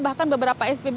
bahkan beberapa spbu